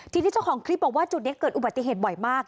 ทีนี้เจ้าของคลิปบอกว่าจุดนี้เกิดอุบัติเหตุบ่อยมาก